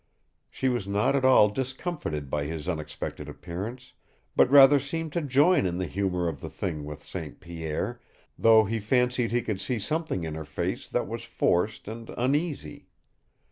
She was not at all discomfited by his unexpected appearance, but rather seemed to join in the humor of the thing with St. Pierre, though he fancied he could see something in her face that was forced and uneasy.